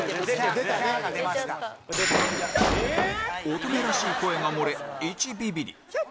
乙女らしい声が漏れ１ビビリ